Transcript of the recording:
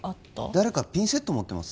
誰かピンセット持ってます？